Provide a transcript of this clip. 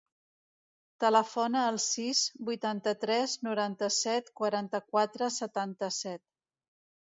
Telefona al sis, vuitanta-tres, noranta-set, quaranta-quatre, setanta-set.